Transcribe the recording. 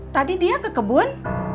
tadi dia ke kebun